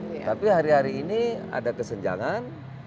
tapi hari hari ini ada kesenjangan